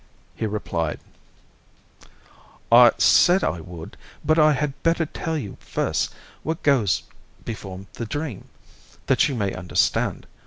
He replied: "I said I would; but I had better tell you first what goes before the dream, that you may understand.